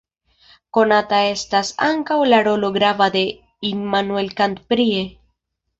Konata estas ankaŭ la rolo grava de Immanuel Kant prie.